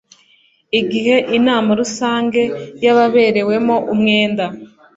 igihe inama rusange y ababerewemo umwenda